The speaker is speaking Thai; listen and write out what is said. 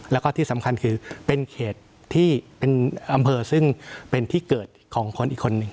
แล้วก็ที่สำคัญคือเป็นเขตที่เป็นอำเภอซึ่งเป็นที่เกิดของคนอีกคนหนึ่ง